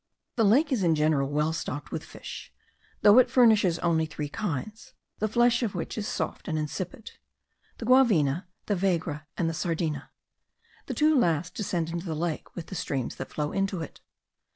The lake is in general well stocked with fish; though it furnishes only three kinds, the flesh of which is soft and insipid, the guavina, the vagre, and the sardina. The two last descend into the lake with the streams that flow into it.